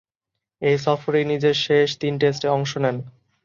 এ সফরেই নিজের শেষ তিন টেস্টে অংশ নেন।